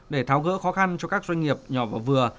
để tháo gỡ khó khăn cho các doanh nghiệp nhỏ và vừa